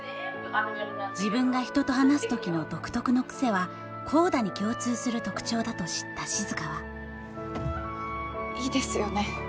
自分が人と話す時の独特の癖はＣＯＤＡに共通する特徴だと知った静はいいですよね